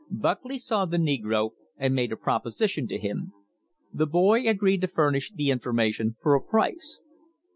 Buckley saw the negro and made a proposition to him. The boy agreed to furnish the information for a price.